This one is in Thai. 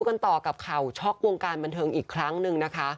กันต่อกับข่าวช็อกวงการบันเทิงอีกครั้งหนึ่งนะคะ